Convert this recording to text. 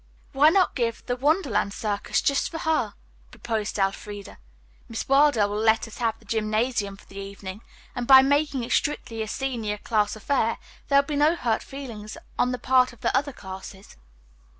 "Why not give the Wonderland Circus just for her?" proposed Elfreda. "Miss Wilder will let us have the gymnasium for the evening, and by making it strictly a senior class affair there will be no hurt feelings on the part of the other classes.